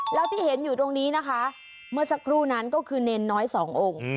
แล้วที่เห็นอยู่ตรงนี้นะคะเมื่อสักครู่นั้นก็คือเนรน้อยสององค์